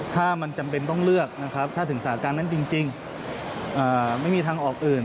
ถ้ามันจำเป็นต้องเลือกนะครับถ้าถึงสาการนั้นจริงไม่มีทางออกอื่น